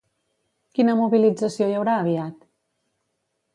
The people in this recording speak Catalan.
Quina mobilització hi haurà aviat?